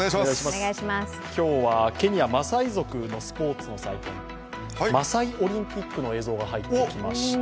今日はケニア、マサイ族のスポーツの祭典、マサイ・オリンピックの映像が入ってきました。